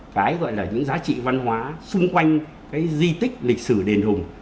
cái gọi là những giá trị văn hóa xung quanh cái di tích lịch sử đền hùng